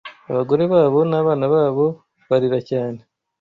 Abagore babo nabana babo, barira cyane